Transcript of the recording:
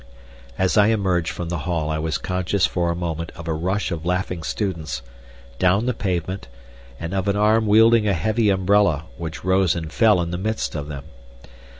As I emerged from the hall I was conscious for a moment of a rush of laughing students down the pavement, and of an arm wielding a heavy umbrella, which rose and fell in the midst of them.